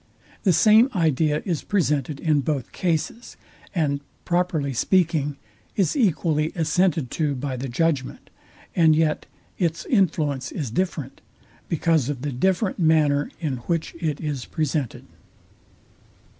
The same idea is presented in both cases, and, properly speaking, is equally assented to by the judgment; and yet its influence is different, because of the different manner, in which it is presented.